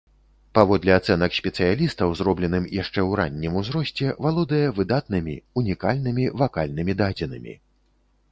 Паводле ацэнак спецыялістаў, зробленым яшчэ ў раннім ўзросце, валодае выдатнымі, унікальнымі вакальнымі дадзенымі.